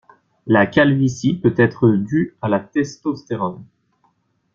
La calvitie peut être due à la testostérone.